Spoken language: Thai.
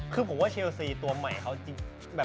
คือผมว่าเชลซีตัวใหม่เขาแบบ